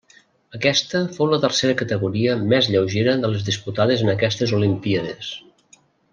Aquesta fou la tercera categoria més lleugera de les disputades en aquestes olimpíades.